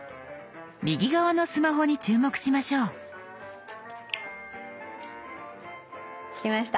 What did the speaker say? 右側のスマホに注目しましょう。来ました。